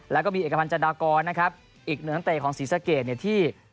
และก็มีเอกพันธ์ดาวอักษรนะครับอีกหนังเตะของศรีเซิร์จเขนที่